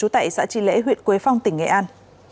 tại xã tri lễ huyện quế phong tỉnh nghệ an